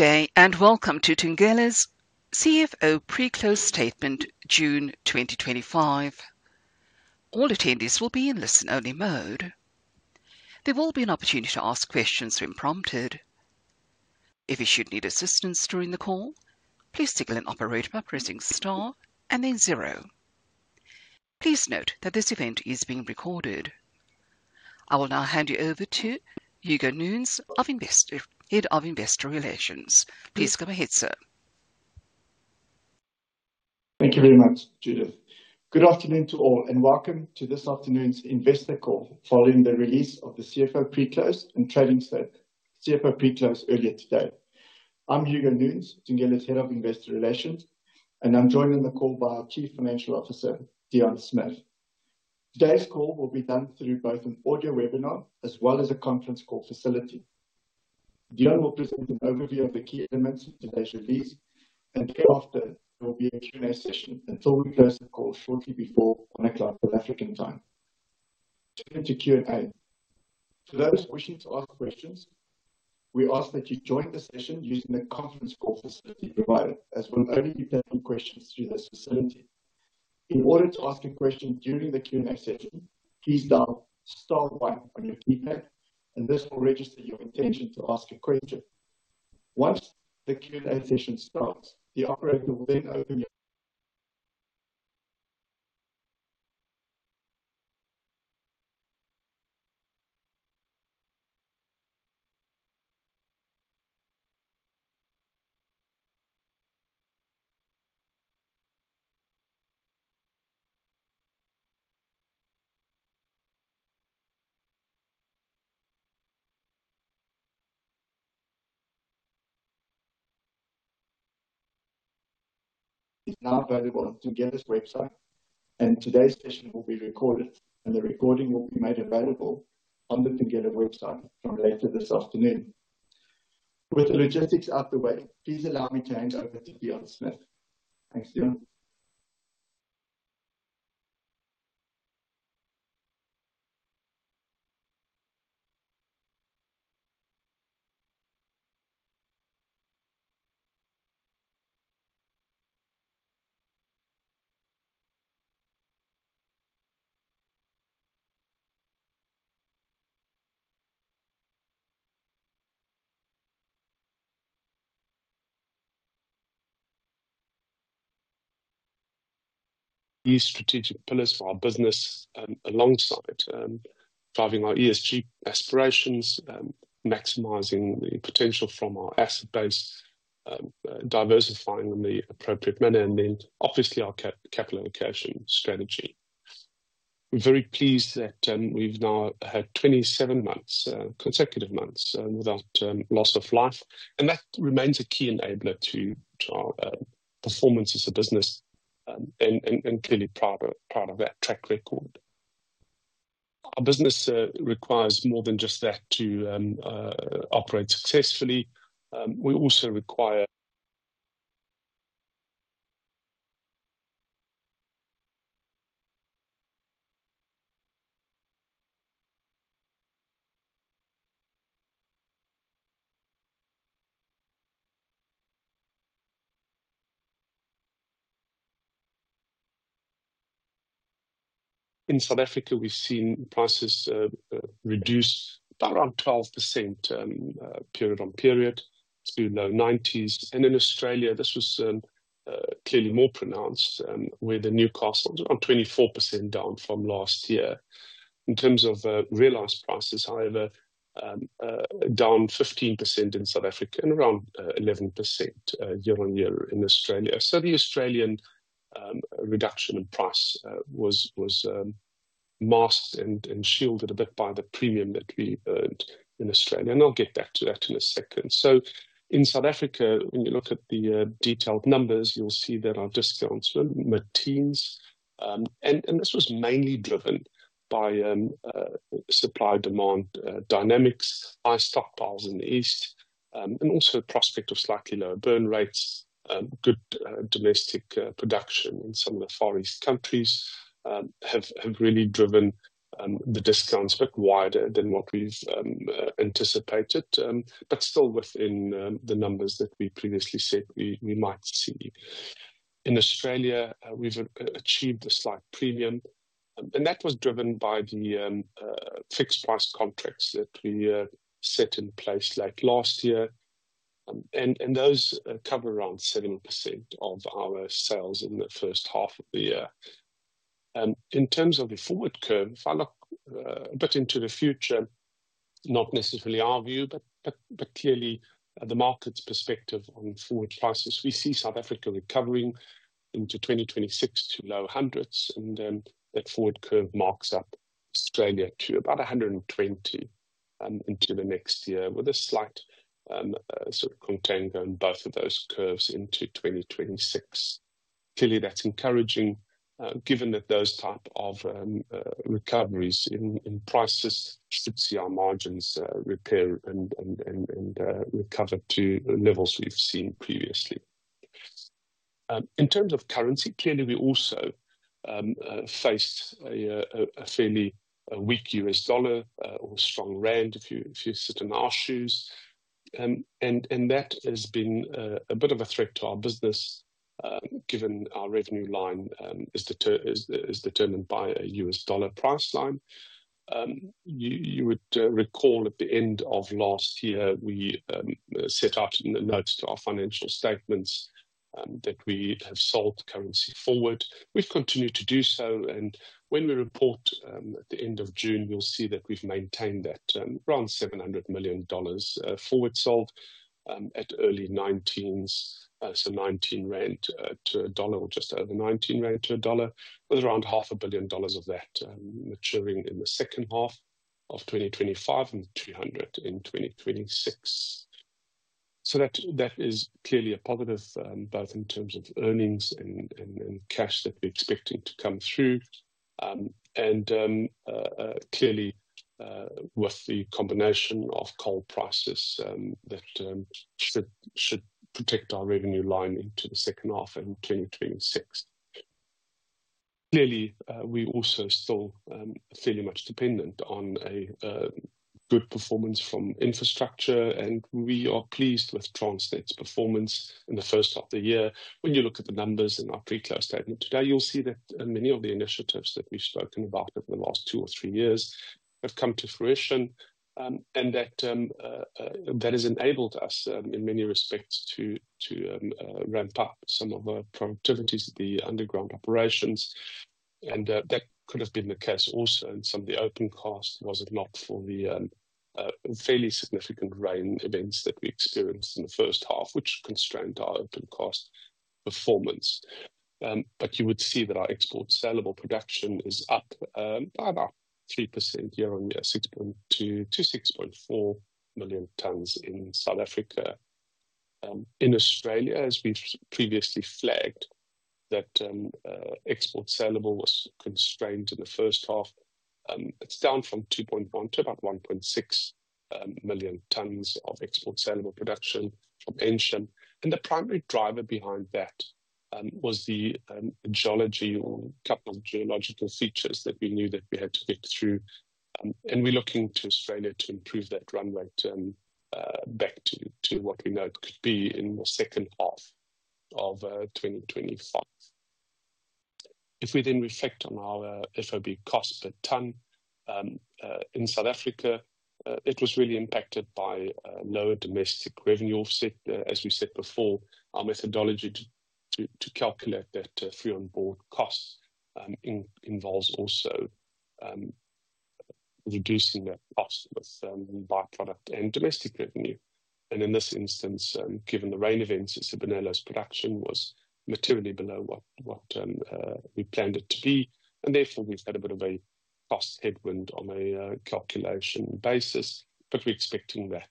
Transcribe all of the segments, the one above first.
Good day and welcome to Thungela's CFO Pre-Closed Statement, June 2025. All attendees will be in listen-only mode. There will be an opportunity to ask questions when prompted. If you should need assistance during the call, please tick the operator by pressing star and then zero. Please note that this event is being recorded. I will now hand you over to Hugo Nunes, Head of Investor Relations. Please come ahead, sir. Thank you very much, Judith. Good afternoon to all and welcome to this afternoon's investor call following the release of the CFO Pre-Closed and Trading Set CFO Pre-Closed earlier today. I'm Hugo Nunes, Thungela's Head of Investor Relations, and I'm joined on the call by our Chief Financial Officer, Deon Smith. Today's call will be done through both an audio webinar as well as a conference call facility. Deon will present an overview of the key elements of today's release, and thereafter there will be a Q&A session until we close the call shortly before 1:00 P.M. South African time. Turning to Q&A, for those wishing to ask questions, we ask that you join the session using the conference call facility provided, as we'll only be taking questions through this facility. In order to ask a question during the Q&A session, please dial star one on your keypad, and this will register your intention to ask a question. Once the Q&A session starts, the operator will then open your. It is now available on Thungela's website, and today's session will be recorded, and the recording will be made available on the Thungela website from later this afternoon. With the logistics out of the way, please allow me to hand over to Deon Smith. Thanks, Deon. These strategic pillars for our business, alongside driving our ESG aspirations, maximizing the potential from our asset base, diversifying in the appropriate manner, and then obviously our capital allocation strategy. We're very pleased that we've now had 27 consecutive months without loss of life, and that remains a key enabler to our performance as a business, and clearly proud of that track record. Our business requires more than just that to operate successfully. We also require. In South Africa, we've seen prices reduce by around 12% period on period to low 90s, and in Australia, this was clearly more pronounced with a new cost of around 24% down from last year. In terms of realized prices, however, down 15% in South Africa and around 11% year-on-year in Australia. The Australian reduction in price was masked and shielded a bit by the premium that we earned in Australia, and I'll get back to that in a second. In South Africa, when you look at the detailed numbers, you'll see that our discounts were maintained, and this was mainly driven by supply-demand dynamics, high stockpiles in the east, and also the prospect of slightly lower burn rates. Good domestic production in some of the Far East countries have really driven the discounts a bit wider than what we've anticipated, but still within the numbers that we previously said we might see. In Australia, we've achieved a slight premium, and that was driven by the fixed price contracts that we set in place late last year, and those cover around 7% of our sales in the first half of the year. In terms of the forward curve, if I look a bit into the future, not necessarily our view, but clearly the market's perspective on forward prices, we see South Africa recovering into 2026 to low hundreds, and then that forward curve marks up Australia to about $120 into the next year with a slight sort of contango in both of those curves into 2026. Clearly, that's encouraging given that those type of recoveries in prices should see our margins repair and recover to levels we've seen previously. In terms of currency, clearly we also faced a fairly weak U.S. dollar or strong rand if you sit in our shoes, and that has been a bit of a threat to our business given our revenue line is determined by a U.S. dollar price line. You would recall at the end of last year we set out in the notes to our financial statements that we have sold currency forward. We've continued to do so, and when we report at the end of June, you'll see that we've maintained that around $700 million forward sold at early 19s, so 19 rand to a dollar or just over 19 rand to a dollar, with around $500,000,000 of that maturing in the second half of 2025 and $200,000,000 in 2026. That is clearly a positive both in terms of earnings and cash that we're expecting to come through, and clearly with the combination of coal prices, that should protect our revenue line into the second half of 2026. Clearly, we also still are fairly much dependent on a good performance from infrastructure, and we are pleased with Transnet's performance in the first half of the year. When you look at the numbers in our pre-closed statement today, you'll see that many of the initiatives that we've spoken about over the last two or three years have come to fruition, and that has enabled us in many respects to ramp up some of our productivities at the underground operations, and that could have been the case also in some of the open casts was it not for the fairly significant rain events that we experienced in the first half, which constrained our open cast performance. You would see that our export saleable production is up by about 3% year-on-year, 6.2-6.4 million tons in South Africa. In Australia, as we've previously flagged, that export saleable was constrained in the first half. It's down from 2.1 to about 1.6 million tons of export saleable production from Ensham, and the primary driver behind that was the geology or capital geological features that we knew that we had to get through, and we're looking to Australia to improve that run rate back to what we know it could be in the second half of 2025. If we then reflect on our FOB cost per ton, in South Africa, it was really impacted by lower domestic revenue offset. As we said before, our methodology to calculate that free onboard cost involves also reducing that cost with byproduct and domestic revenue, and in this instance, given the rain events, Thungela's production was materially below what we planned it to be, and therefore we've had a bit of a cost headwind on a calculation basis, but we're expecting that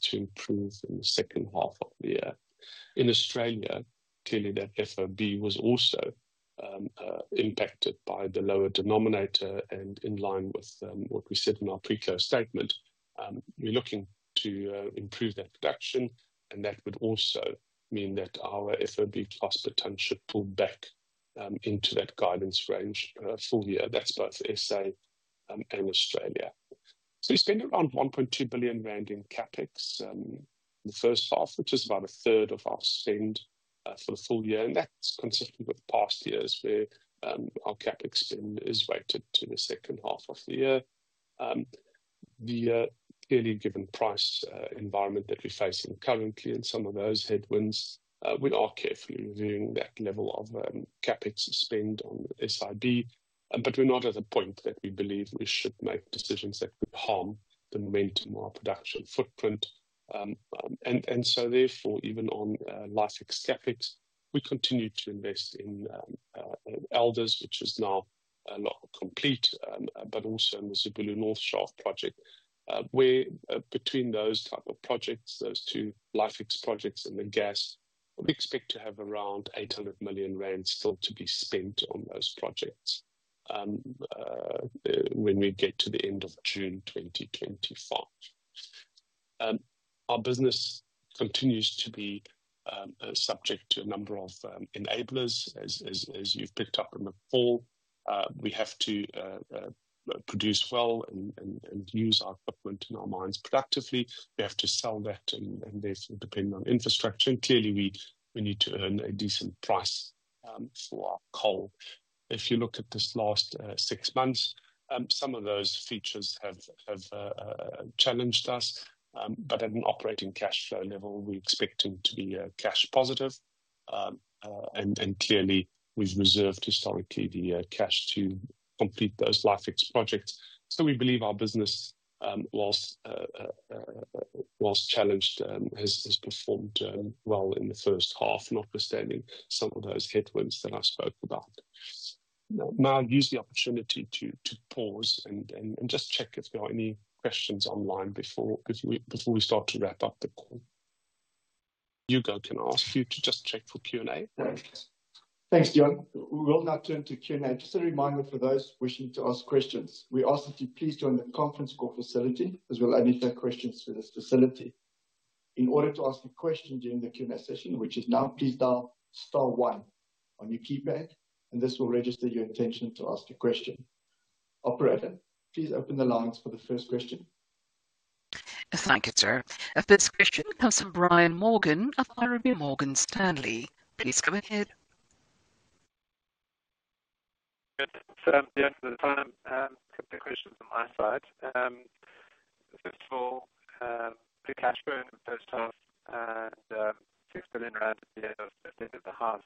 to improve in the second half of the year. In Australia, clearly, that FOB was also impacted by the lower denominator, and in line with what we said in our pre-closed statement, we're looking to improve that production, and that would also mean that our FOB cost per ton should pull back into that guidance range for the year. That's both SA and Australia. We spend around 1.2 billion rand in CapEx the first half, which is about a 1/3 of our spend for the full year, and that's consistent with past years where our CapEx spend is weighted to the second half of the year. The clearly given price environment that we're facing currently and some of those headwinds, we are carefully reviewing that level of CapEx spend on SIB, but we're not at a point that we believe we should make decisions that could harm the momentum of our production footprint. Therefore, even on LIFEX CapEx, we continue to invest in Elders, which is now a lot complete, but also in the Zibulo North Shaft project, where between those type of projects, those two LIFEX projects and the gas, we expect to have around 800 million rand still to be spent on those projects when we get to the end of June 2025. Our business continues to be subject to a number of enablers, as you've picked up in the fall. We have to produce well and use our footprint in our mines productively. We have to sell that and therefore depend on infrastructure, and clearly we need to earn a decent price for our coal. If you look at this last six months, some of those features have challenged us, but at an operating cash flow level, we're expecting to be cash positive, and clearly we've reserved historically the cash to complete those LIFEX projects. So we believe our business, whilst challenged, has performed well in the first half, notwithstanding some of those headwinds that I spoke about. Now I'll use the opportunity to pause and just check if there are any questions online before we start to wrap up the call. Hugo, can I ask you to just check for Q&A. Thanks, Deon. We will now turn to Q&A. Just a reminder for those wishing to ask questions, we ask that you please join the conference call facility as we'll only take questions through this facility. In order to ask a question during the Q&A session, which is now, please dial star one on your keypad, and this will register your intention to ask a question. Operator, please open the lines for the first question. Thank you, sir. This question comes from Brian Morgan of Morgan Stanley. Please go ahead. Good. Yeah, for the time, a couple of questions on my side. First of all, the cash burn in the first half and 6 billion at the end of the second half,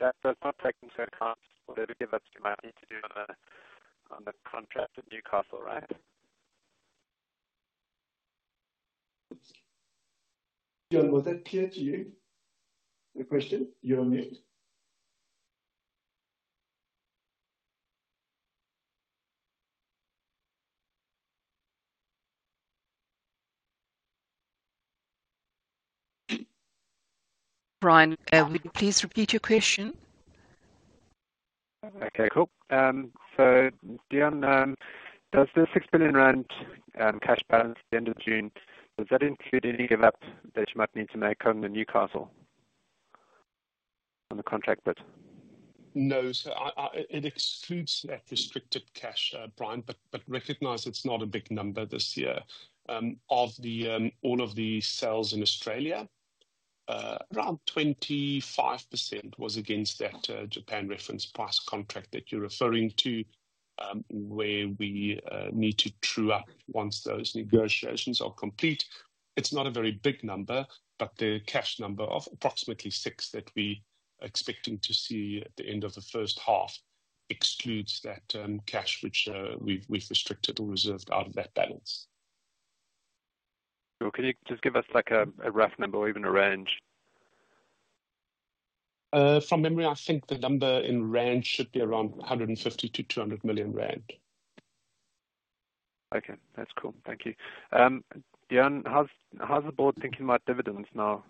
that does not take into account whatever give-ups you might need to do on the contract at Newcastle, right? Deon, was that clear to you? The question, you're on mute. Brian, would you please repeat your question? Okay, cool. Deon, does the 6 billion rand cash balance at the end of June, does that include any give-up that you might need to make on the Newcastle on the contract bit? No, so it excludes that restricted cash, Brian, but recognize it's not a big number this year. Of all of the sales in Australia, around 25% was against that Japan reference price contract that you're referring to, where we need to true up once those negotiations are complete. It's not a very big number, but the cash number of approximately $6 million that we are expecting to see at the end of the first half excludes that cash which we've restricted or reserved out of that balance. Could you just give us like a rough number or even a range? From memory, I think the number in 150 million-200 million rand. Okay, that's cool. Thank you. Deon, how's the board thinking about dividends now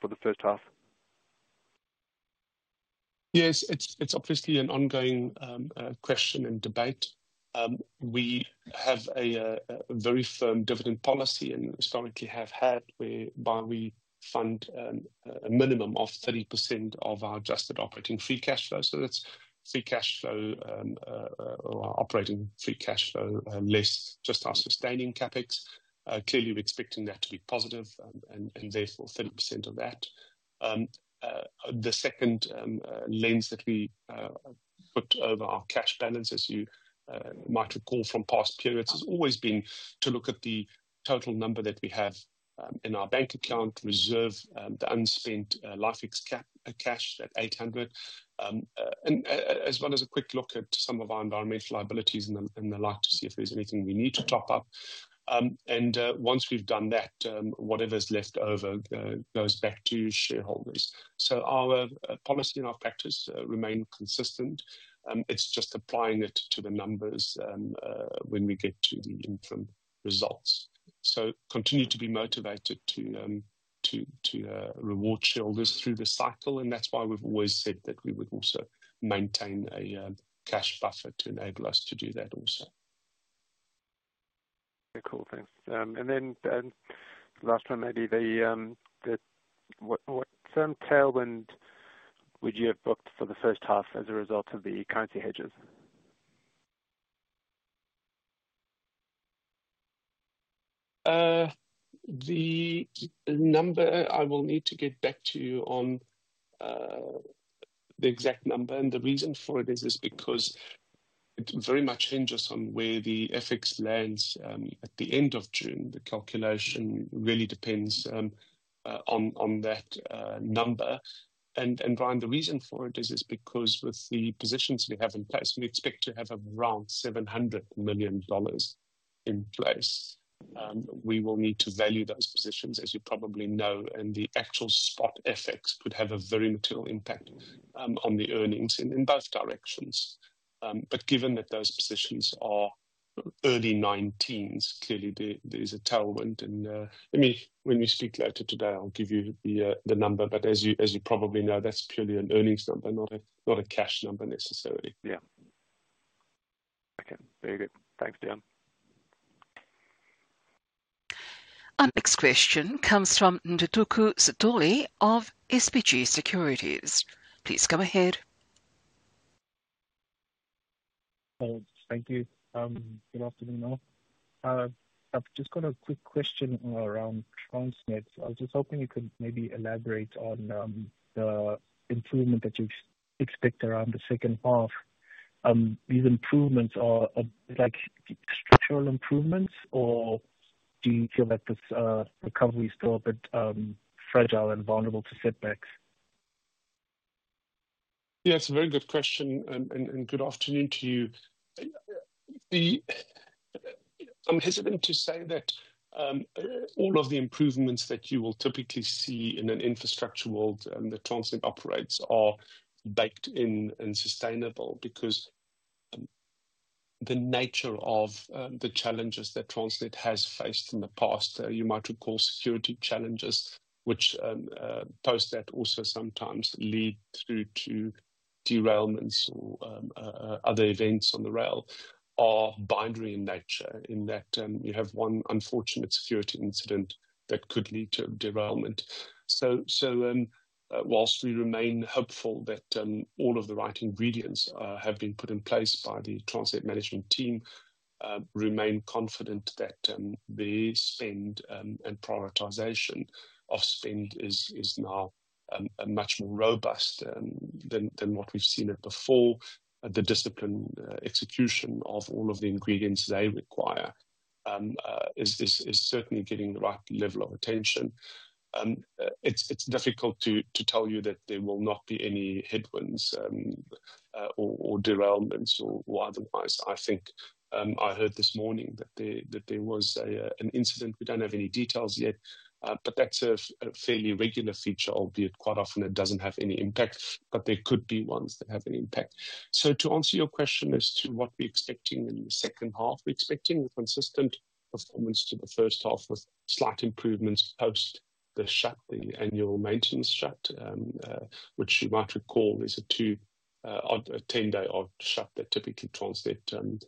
for the first half? Yes, it's obviously an ongoing question and debate. We have a very firm dividend policy and historically have had where we fund a minimum of 30% of our adjusted operating free cash flow. So that's free cash flow or operating free cash flow less just our sustaining CapEx. Clearly, we're expecting that to be positive and therefore 30% of that. The second lens that we put over our cash balance, as you might recall from past periods, has always been to look at the total number that we have in our bank account, reserve the unspent LIFEX cash at 800 million, and as well as a quick look at some of our environmental liabilities and the like, to see if there's anything we need to top up. Once we've done that, whatever's left over goes back to shareholders. Our policy and our practice remain consistent. It's just applying it to the numbers when we get to the interim results. Continue to be motivated to reward shareholders through the cycle, and that's why we've always said that we would also maintain a cash buffer to enable us to do that also. Very cool, thanks. Then the last one, maybe the what term tailwind would you have booked for the first half as a result of the currency hedges? The number I will need to get back to you on the exact number, and the reason for it is because it very much hinges on where the FX lands at the end of June. The calculation really depends on that number. Brian, the reason for it is because with the positions we have in place, we expect to have around $700 million in place. We will need to value those positions, as you probably know, and the actual spot FX could have a very material impact on the earnings in both directions. Given that those positions are early 19s, clearly there is a tailwind, and when we speak later today, I'll give you the number, but as you probably know, that's purely an earnings number, not a cash number necessarily. Yeah. Okay, very good. Thanks, Deon. Our next question comes from Ndumiso Tutani of SBG Securities. Please come ahead. Thank you. Good afternoon all. I've just got a quick question around Transnet. I was just hoping you could maybe elaborate on the improvement that you expect around the second half. These improvements are structural improvements, or do you feel that this recovery is still a bit fragile and vulnerable to setbacks? Yeah, it's a very good question, and good afternoon to you. I'm hesitant to say that all of the improvements that you will typically see in an infrastructure world that Transnet operates are baked in and sustainable because the nature of the challenges that Transnet has faced in the past, you might recall security challenges, which post that also sometimes lead through to derailments or other events on the rail, are binary in nature in that you have one unfortunate security incident that could lead to derailment. Whilst we remain hopeful that all of the right ingredients have been put in place by the Transnet management team, we remain confident that the spend and prioritization of spend is now much more robust than what we've seen before. The discipline execution of all of the ingredients they require is certainly getting the right level of attention. It's difficult to tell you that there will not be any headwinds or derailments or otherwise. I think I heard this morning that there was an incident. We don't have any details yet, but that's a fairly regular feature, albeit quite often it doesn't have any impact, but there could be ones that have an impact. To answer your question as to what we're expecting in the second half, we're expecting a consistent performance to the first half with slight improvements post the shut, the annual maintenance shut, which you might recall is a two-odd 10-day odd shut that typically Transnet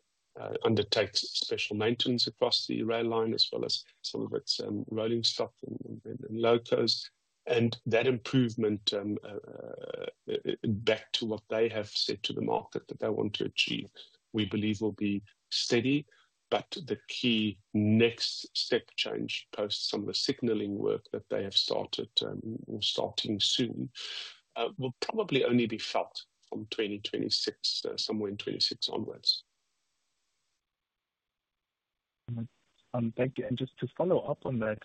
undertakes, special maintenance across the rail line as well as some of its rolling stock and locos. That improvement back to what they have said to the market that they want to achieve, we believe will be steady, but the key next step change post some of the signaling work that they have started or starting soon will probably only be felt from 2026, somewhere in 2026 onwards. Thank you. Just to follow up on that,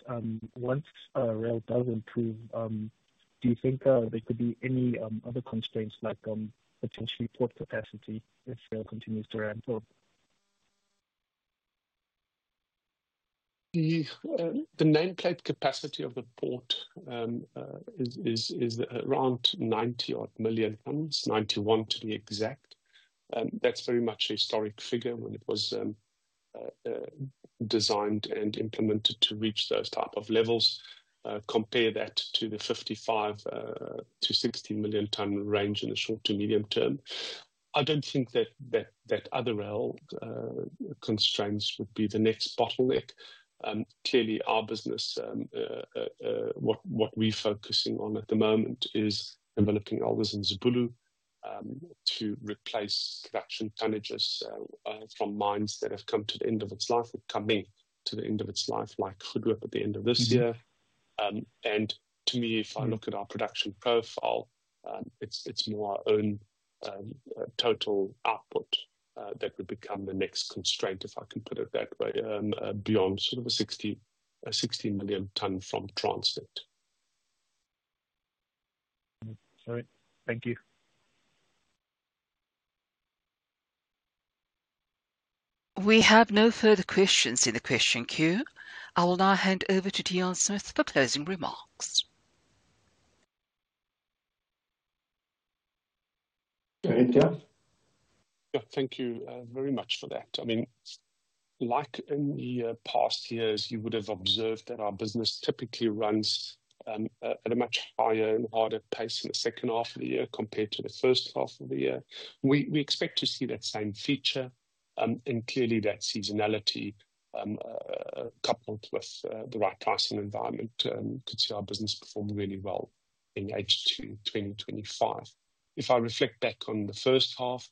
once rail does improve, do you think there could be any other constraints like potentially port capacity if rail continues to ramp up? The nameplate capacity of the port is around 90-odd million tons, 91 to be exact. That's very much a historic figure when it was designed and implemented to reach those type of levels. Compare that to the 55-60 million ton range in the short to medium term. I don't think that other rail constraints would be the next bottleneck. Clearly, our business, what we're focusing on at the moment is developing Elders in Zibulo to replace production tonnages from mines that have come to the end of its life or come into the end of its life, like [Khwezi] at the end of this year. To me, if I look at our production profile, it's more our own total output that would become the next constraint, if I can put it that way, beyond sort of a 60 million ton from Transnet. All right, thank you. We have no further questions in the question queue. I will now hand over to Deon Smith for closing remarks. Thank you very much for that. I mean, like in the past years, you would have observed that our business typically runs at a much higher and harder pace in the second half of the year compared to the first half of the year. We expect to see that same feature, and clearly that seasonality coupled with the right pricing environment could see our business perform really well in H2 2025. If I reflect back on the first half,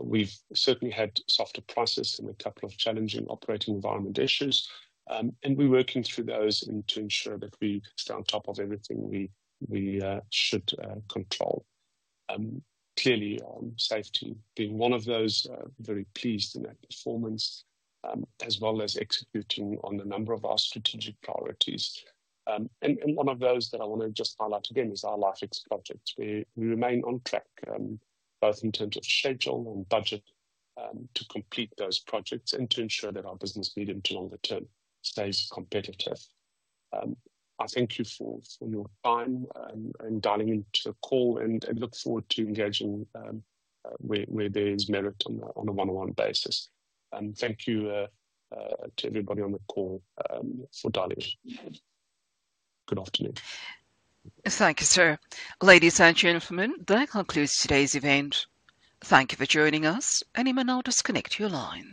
we've certainly had softer prices and a couple of challenging operating environment issues, and we're working through those to ensure that we stay on top of everything we should control. Clearly, safety being one of those, very pleased in that performance, as well as executing on a number of our strategic priorities. One of those that I want to just highlight again is our LIFEX projects. We remain on track both in terms of schedule and budget to complete those projects and to ensure that our business medium to longer term stays competitive. I thank you for your time in dialing into the call and look forward to engaging where there is merit on a one-on-one basis. Thank you to everybody on the call for dialing. Good afternoon. Thank you, sir. Ladies and gentlemen, that concludes today's event. Thank you for joining us, and we'll now disconnect your line.